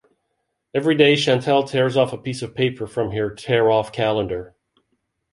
Every day Chantal tears off a piece of paper from her tear-off calendar.